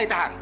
ibu tahu tak